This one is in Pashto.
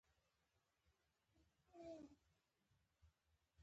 له دې صحرا څخه سلامت ووتلو.